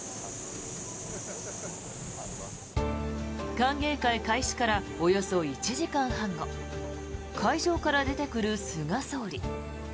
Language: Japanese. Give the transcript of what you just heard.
歓迎会開始からおよそ１時間半後会場から出てくる菅総理。